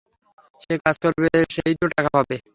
যে কাজ করবে, সেই তো টাকা পাবে।